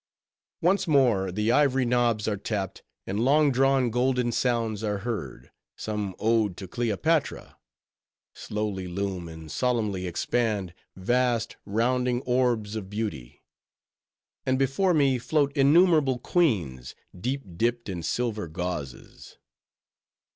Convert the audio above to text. Once more the ivory knobs are tapped; and long drawn, golden sounds are heard—some ode to Cleopatra; slowly loom, and solemnly expand, vast, rounding orbs of beauty; and before me float innumerable queens, deep dipped in silver gauzes.